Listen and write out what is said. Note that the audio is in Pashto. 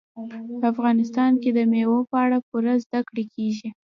په افغانستان کې د مېوو په اړه پوره زده کړه کېږي.